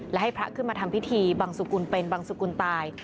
และให้พระขึ้นมาทำพิธีบังสุกุลเป็นบังสุกุลตาย